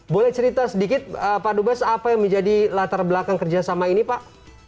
boleh cerita sedikit pak dubes apa yang menjadi latar belakang kerjasama ini pak